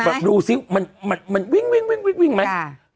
แบบดูซิมันวิ่งมั้ย